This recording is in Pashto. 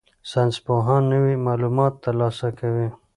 ساینسپوهان نوي معلومات ترلاسه کوي.